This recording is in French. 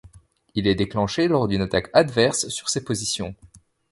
Il est déclenché lors d'une attaque adverse sur ses positions.